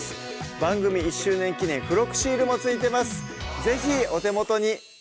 番組１周年記念付録シールも付いてます是非お手元に！